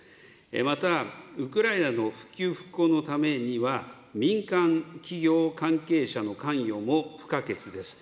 また、ウクライナの復旧復興のためには、民間企業関係者の関与も不可欠です。